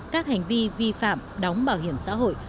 các hành vi vi phạm đóng bảo hiểm xã hội